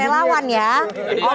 ini bahasanya jadi relawan ya